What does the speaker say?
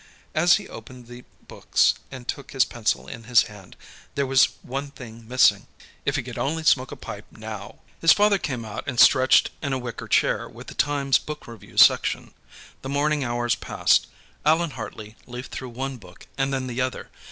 As he opened the books and took his pencil in his hand, there was one thing missing. If he could only smoke a pipe, now! His father came out and stretched in a wicker chair with the Times book review section. The morning hours passed. Allan Hartley leafed through one book and then the other.